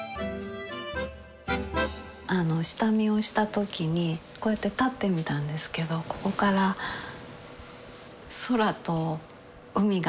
あの下見をした時にこうやって立ってみたんですけどここから空と海が見えて。